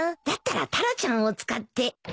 だったらタラちゃんを使って